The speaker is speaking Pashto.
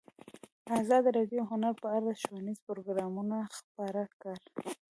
ازادي راډیو د هنر په اړه ښوونیز پروګرامونه خپاره کړي.